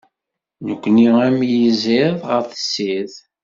Nekni am yiẓid ɣer tessirt.